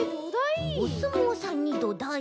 おすもうさんにどだい？